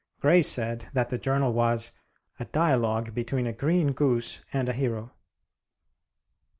Gray said the journal was "a dialogue between a green goose and a hero."